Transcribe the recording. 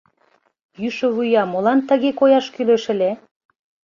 Йӱшывуя молан тыге кояш кӱлеш ыле.